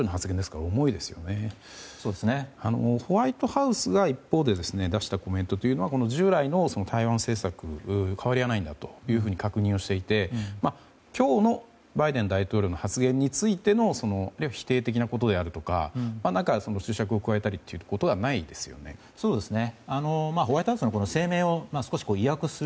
一方でホワイトハウスが出したコメントというのは従来の台湾政策に変わりはないんだと確認していて今日のバイデン大統領の発言についての否定的なことであるとか注釈を加えたりということはないですよね。